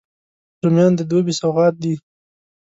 رومیان د دوبي سوغات دي